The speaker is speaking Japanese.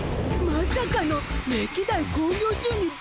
まさかの歴代興行収入第一位！